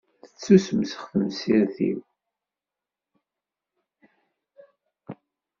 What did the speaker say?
Tettusefsex temsirt-iw.